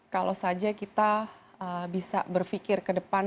kalau saja kita bisa berpikir ke depan